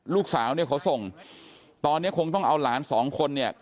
ลูกสาวเนี่ยเขาส่งตอนนี้คงต้องเอาหลานสองคนเนี่ย